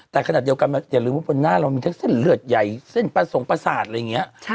แต่ขนาดเดียวกันอย่าลืมว่าบนหน้าเรามีทั้งเส้นเลือดใหญ่เส้นประสงค์ประสาทอะไรอย่างนี้